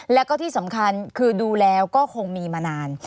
แล้วก็ที่สำคัญคือดูแล้วก็คงมีมานาน